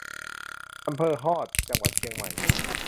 อำเภอฮอด จังหวัดเชียงใหม่